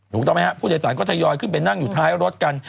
ถูกต้องไหมครับผู้โดยสารก็ทยอยขึ้นไปนั่งอยู่ท้ายรถกัน